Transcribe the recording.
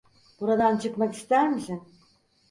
Buradan çıkmak ister misin?